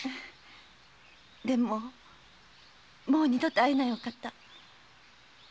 でももう二度と会えないお方。